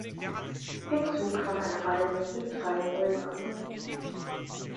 Hinzu kam eine Alm mit drei Häusern.